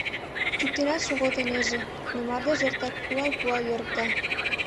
Чӱктенат шогалтынеже, но мардеж эртак пуал-пуал йӧрыкта.